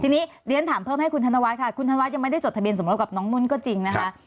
ทีนี้เรียนถามเพิ่มให้คุณธนวัฒนค่ะคุณธนวัฒน์ยังไม่ได้จดทะเบียนสมรสกับน้องนุ่นก็จริงนะคะ